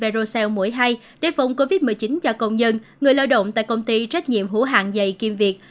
verocell mũi hai để phòng covid một mươi chín cho công nhân người lao động tại công ty trách nhiệm hữu hạng dày kiêm việc